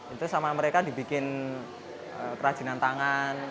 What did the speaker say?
itu sama mereka dibikin kerajinan tangan